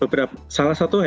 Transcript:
beberapa salah satu adalah